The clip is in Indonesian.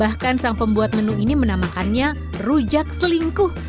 bahkan sang pembuat menu ini menamakannya rujak selingkuh